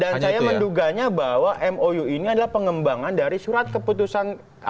dan saya menduganya bahwa mou ini adalah pengembangan dari surat keputusan